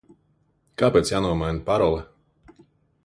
Kāpēc jānomaina parole?